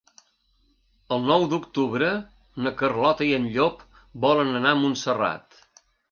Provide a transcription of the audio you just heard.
El nou d'octubre na Carlota i en Llop volen anar a Montserrat.